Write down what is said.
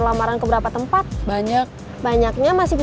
preparasi dan punya kamar pernah mau sore